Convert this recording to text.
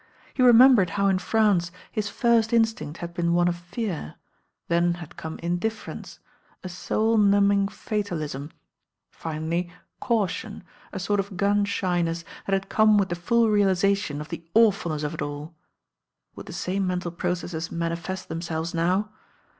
He remembered how m France his first instinct had been one of fear, then had come indifference, a soul numbing fatalism, finally caution, a sort of gun shyness that had come with the fuU realisation of the awfuhiess of It aU. Would the same mental processes mani fest themselves now?